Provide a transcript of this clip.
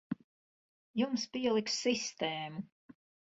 Jums pieliks sistēmu.